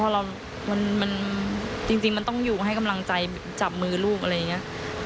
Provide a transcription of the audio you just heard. พอเรามันจริงมันต้องอยู่ให้กำลังใจจับมือลูกอะไรอย่างนี้